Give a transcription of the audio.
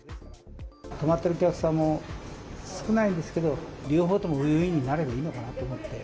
泊まってるお客さんも少ないですけど、両方ともウィンウィンになればいいのかなと思って。